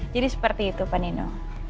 jadi seperti itu panino